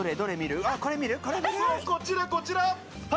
こちら、こちら！